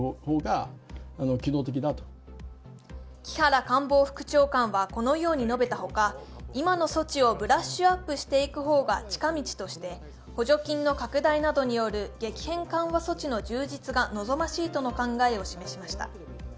木原官房副長官はこのように述べたほか今の措置をブラッシュアップしていく方が近道として補助金の拡大などによる激変緩和措置の充実が望ましいとの考えを示しました。